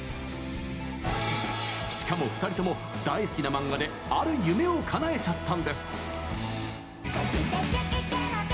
しかも、２人とも大好きな漫画である夢をかなえちゃったんです。